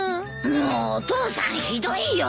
もうお父さんひどいよ。